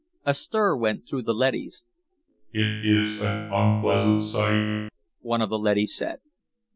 A stir went through the leadys. "It is an unpleasant sight," one of the leadys said.